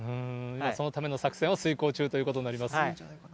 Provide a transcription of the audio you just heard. そのための作戦を遂行中ということになります。